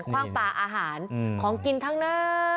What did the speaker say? คว่างปลาอาหารของกินทั้งหน้า